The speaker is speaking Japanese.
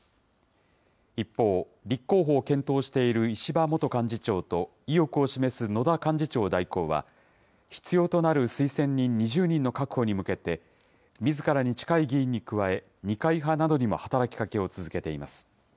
一方、立候補を検討している石破元幹事長と、意欲を示す野田幹事長代行は、必要となる推薦人２０人の確保に向けて、みずからに近い議員に加え、二階派などにも働きかけを続けています。